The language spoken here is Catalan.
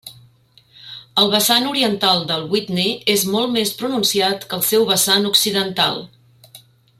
El vessant oriental del Whitney és molt més pronunciat que el seu vessant occidental.